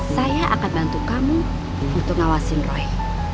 saya akan bantu kamu untuk ngawasin roy